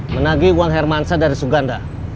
menagi uang hermansa dari suganda